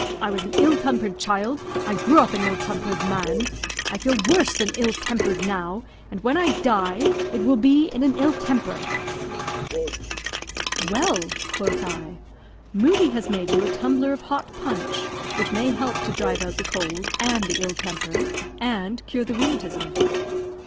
I was an ill tempered child; I grew up an ill tempered man. I feel worse than ill tempered now, and when I die it will be in an ill temper." "Well," quoth I, "Moodie has made you a tumbler of hot punch, which may help to drive out the cold and the ill temper, and cure the rheumatism."